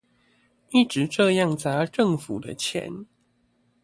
一直這樣砸政府的錢